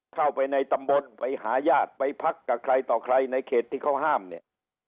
เข้าไปในตำบลไปหาญาติไปพักกับใครต่อใครในเขตที่เขาห้ามเนี่ย